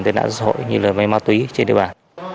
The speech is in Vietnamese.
tên ảnh xã hội như là má túy trên địa bàn